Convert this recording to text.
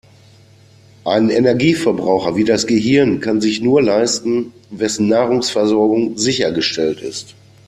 Einen Energieverbraucher wie das Gehirn kann sich nur leisten, wessen Nahrungsversorgung sichergestellt ist.